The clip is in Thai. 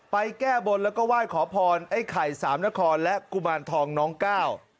แก้บนแล้วก็ไหว้ขอพรไอ้ไข่สามนครและกุมารทองน้องก้าว